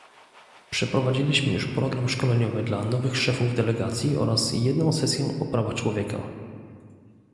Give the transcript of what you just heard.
przeprowadziliśmy już program szkoleniowy dla nowych szefów delegacji oraz jedną sesję o prawach człowieka